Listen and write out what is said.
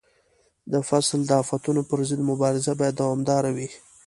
د فصل د آفتونو پر ضد مبارزه باید دوامداره وي.